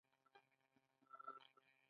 ایا زه له تاسو پوښتنه کولی شم؟